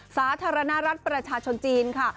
สาธารณรัฐประชาชนจีนค่ะ